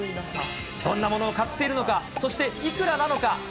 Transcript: どんなものを買っているのか、そしていくらなのか。